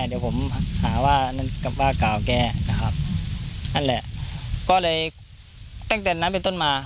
เดี๋ยวผมหาว่ากล่าวแกนะครับนั่นแหละก็เลยตั้งแต่นั้นเป็นต้นมา